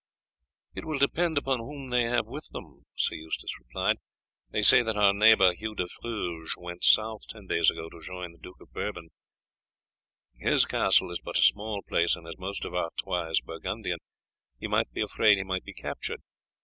"It will depend upon whom they have with them," Sir Eustace replied. "They say that our neighbour Hugh de Fruges went south ten days ago to join the Duke of Bourbon; his castle is but a small place, and as most of Artois is Burgundian he might be afraid he might be captured.